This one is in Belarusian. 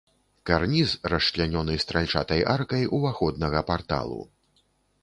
Карніз расчлянёны стральчатай аркай уваходнага парталу.